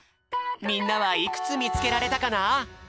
みんなはいくつみつけられたかな？